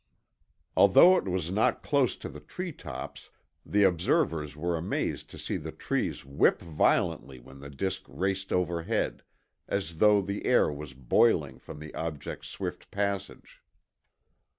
Although it was not close to the treetops, the observers were amazed to see the trees whip violently when the disk raced overhead, as though the air was boiling from the object's swift passage.